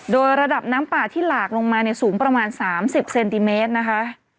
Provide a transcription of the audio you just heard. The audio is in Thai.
โดยระดับน้ำป่าที่หลากลงมาเนี่ยสูงประมาณ๓๐เซนติเมตรนะคะ